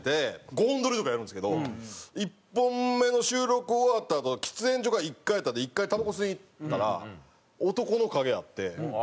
５本撮りとかやるんですけど１本目の収録終わったあと喫煙所が１階やったんで１階にたばこ吸いに行ったら男の影あって。